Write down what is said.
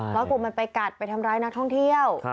เพราะกลัวมันไปกัดไปทำร้ายนักท่องเที่ยว